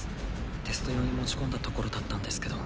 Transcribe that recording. テスト用に持ち込んだところだったんですけど。